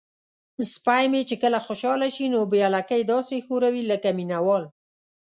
سپی مې کله چې خوشحاله شي نو بیا لکۍ داسې ښوروي لکه مینه وال.